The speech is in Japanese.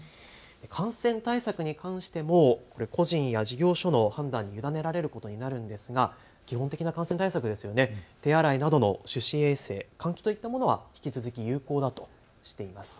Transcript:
感染対策に関しても個人や事業所の判断に委ねられることになるんですが基本的な感染対策、手指衛生、手洗い、引き続き有効だとしています。